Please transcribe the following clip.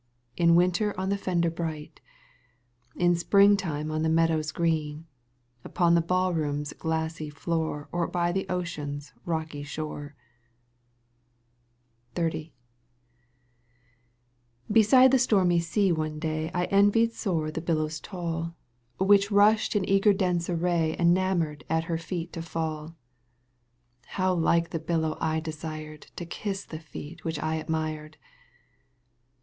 In winter on the fender bright, In springtime on the meadows green, Upon the ball room's glassy floor Or by the ocean's rocky shore. ^ XXX. Beside the stormy sea one day I envied sore the billows tall, Digitized by CjOOQ 1С с АЗИЮ I. EUGENE ON^GUINE. 19 Which rushed in eager dense array Enamoured at her feet to fall. How like the billow I desired To kiss the feet which I admired